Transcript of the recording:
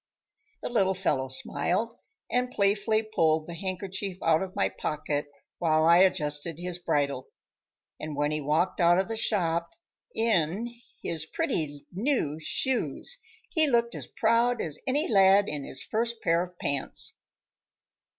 The little fellow smiled, and playfully pulled the handkerchief out of my pocket while I adjusted his bridle. And when he walked out of the shop "in" his pretty new shoes he looked as proud as any lad in his first pair of pants.